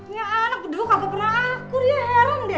nggak anak bedua kagak pernah akur ya heran deh